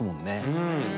うん。